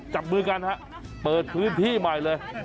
จับมือกันฮะเปิดพื้นที่ใหม่เลย